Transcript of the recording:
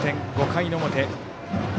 ５回の表。